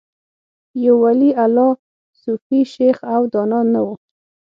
یو ولي الله، صوفي، شیخ او دانا نه و